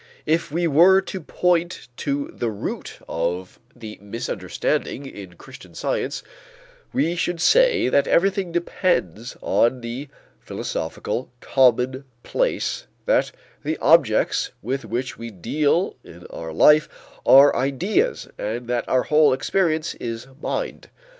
If we were to point to the root of the misunderstanding in Christian Science, we should say that everything depends on the philosophical commonplace that the objects with which we deal in our life are ideas and that our whole experience is mind.